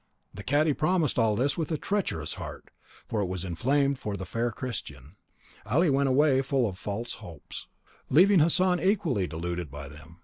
The cadi promised all this with a treacherous heart, for it was inflamed for the fair Christian. Ali went away full of false hopes, leaving Hassan equally deluded by them.